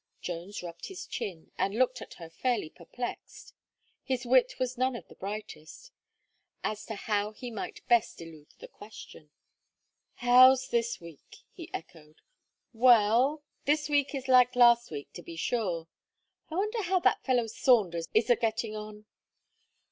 Jones rubbed his chin, and looked at her fairly perplexed his wit was none of the brightest as to how he might best elude the question. "How's this week," he echoed; "well, this week is like last week to be sure. I wonder how that fellow Saunders is a getting on."